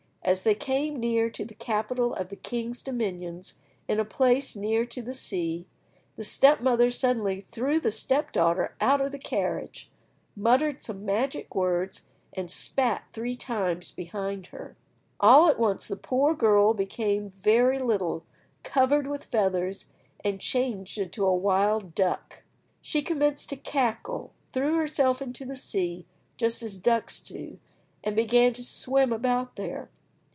As they came near to the capital of the king's dominions, in a place near to the sea, the step mother suddenly threw the step daughter out of the carriage, muttered some magic words, and spat three times behind her. All at once the poor girl became very little, covered with feathers, and changed into a wild duck. She commenced to cackle, threw herself into the sea, just as ducks do, and began to swim about there.